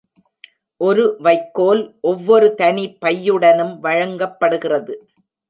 ஒரு வைக்கோல் ஒவ்வொரு தனி பையுடனும் வழங்கப்படுகிறது.